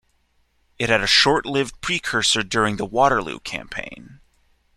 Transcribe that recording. It had a short-lived precursor during the Waterloo Campaign.